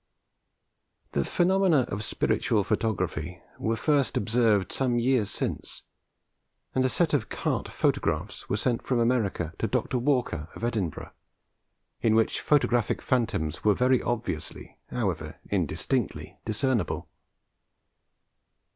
The phenomena of spiritual photography were first observed some years since, and a set of carte photographs were sent from America to Dr. Walker, of Edinburgh, in which photographic phantoms were very obviously, however indistinctly, discernible.